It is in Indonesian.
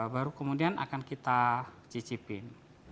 baru kemudian akan kita cicipin